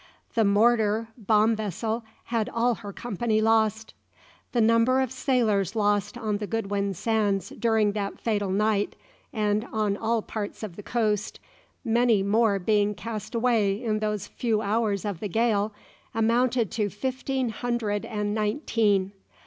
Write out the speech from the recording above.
The "Mortar" bomb vessel had all her company lost. The number of sailors lost on the Goodwin Sands during that fatal night, and on all parts of the coast, many more being cast away in those few hours of the gale, amounted to fifteen hundred and nineteen.